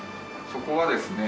そこはですね